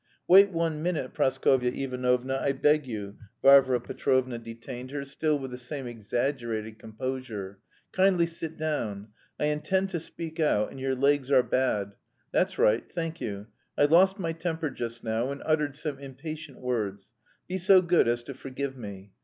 "Wait one minute, Praskovya Ivanovna, I beg you." Varvara Petrovna detained her, still with the same exaggerated composure. "Kindly sit down. I intend to speak out, and your legs are bad. That's right, thank you. I lost my temper just now and uttered some impatient words. Be so good as to forgive me.